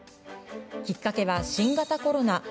きっかけは、新型コロナ。